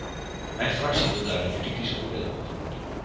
Mijn fractie wil daar een juridisch oordeel over.